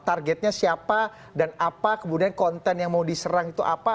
targetnya siapa dan apa kemudian konten yang mau diserang itu apa